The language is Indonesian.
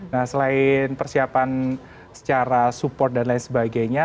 nah selain persiapan secara support dan lain sebagainya